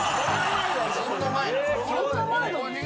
そんな前なの？